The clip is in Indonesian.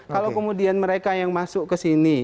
kalau kemudian mereka yang masuk ke sini